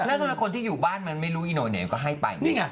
แล้วคนที่อยู่บ้านมันไม่รู้อีโนะก็ให้ไป